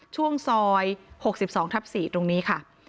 ช่วงซอย๖๒ทับ๔ตรงนี้ค่ะ